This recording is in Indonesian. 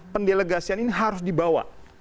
pendelegasian ini harus dibawa